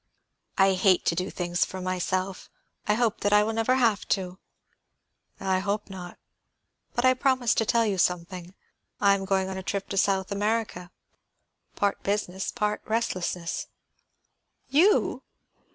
"I hate to do things for myself. I hope that I never will have to." "I hope not. But I promised to tell you something. I am going on a trip to South America; part business, part restlessness." "You!"